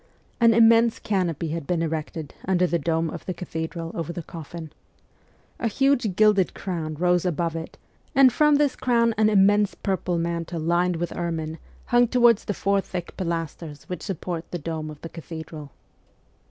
An immense canopy had been erected under the dome of the cathe dral over the coffin. A huge gilded crown rose above it, and from this crown an immense purple mantle lined with ermine hung towards the four thick pilas ters which support the dome of the cathedral.